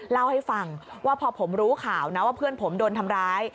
เล่าให้ฟังว่าพอผมรู้ข่าวนะว่าเพื่อนผมโดนทำร้าย